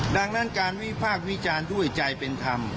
ดังนั้นการวิพากษ์วิจารณ์ด้วยใจเป็นธรรม